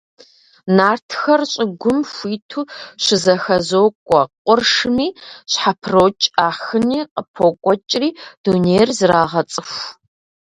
Нартхэр щӀыгум хуиту щызэхэзокӀуэ, къуршми щхьэпрокӀ, Ахыни къыпокӀуэкӀри дунейр зрагъэцӀыху.